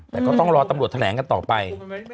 แต่ก็ต้องรอตำรวจแถลงกันต่อไป